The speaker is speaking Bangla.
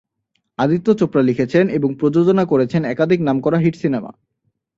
আদিত্য চোপড়া লিখেছেন এবং প্রযোজনা করেছেন একাধিক নাম করা হিট সিনেমা।